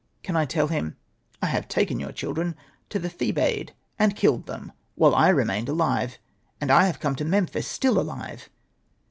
Can I tell him, ''I have taken your children to the Thebaid, and killed them, while I remained alive, and I have come to Memphis still alive